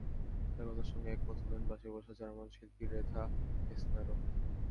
তাঁর কথার সঙ্গে একমত হলেন পাশে বসা জার্মান শিল্পী রেথা মেসনারও।